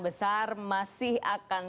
besar masih akan